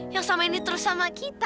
yang selama ini terus sama kita